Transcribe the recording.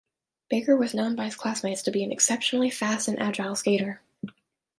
Baker was known by his classmates to be an exceptionally fast and agile skater.